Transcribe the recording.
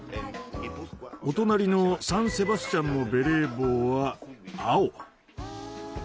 お隣のサン・セバスチャンのベレー帽は青。